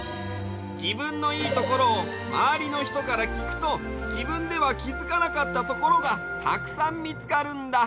じぶんのいいところをまわりのひとからきくとじぶんではきづかなかったところがたくさんみつかるんだ。